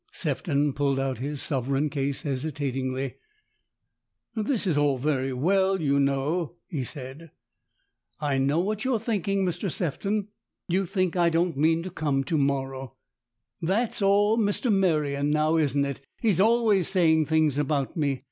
Sefton pulled out his sovereign case hesitatingly. " This is all very well, you know," he said. " I know what you are thinking, Mr Sefton. You think I don't mean to come to morrow. That's all Mr Merion, now, isn't it ? He's always saying things about me.